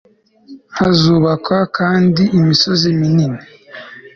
hazubakwa kandi imisozi minini